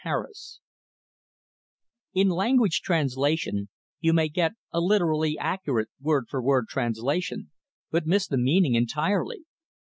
HARRIS _In language translation, you may get a literally accurate word for word translation ... but miss the meaning entirely.